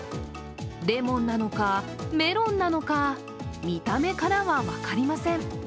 レモンなのか、メロンなのか、見た目からは分かりません。